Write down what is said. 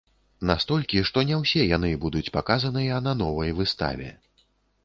Настолькі, што не ўсе яны будуць паказаныя на новай выставе.